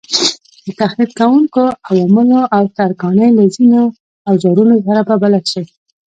د تخریب کوونکو عواملو او ترکاڼۍ له ځینو اوزارونو سره به بلد شئ.